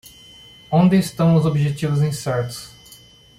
Onde estão os objetivos incertos?